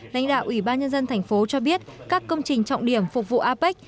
lãnh đạo ủy ban nhân dân thành phố cho biết các công trình trọng điểm phục vụ apec